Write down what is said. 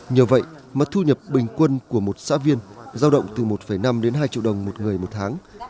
nhờ vậy mà thu nhập bình quân của một xã viên giao động từ một năm đến hai triệu đồng một người một tháng